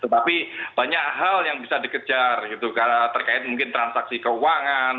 tetapi banyak hal yang bisa dikejar gitu terkait mungkin transaksi keuangan